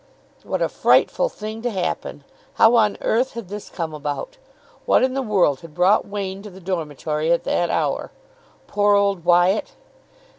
What a frightful thing to happen! How on earth had this come about? What in the world had brought Wain to the dormitory at that hour? Poor old Wyatt!